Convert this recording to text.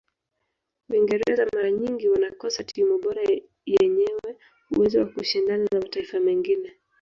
uingereza mara nyingi wanakosa timu bora yenyewe uwezo wa kushindana na mataifa mengine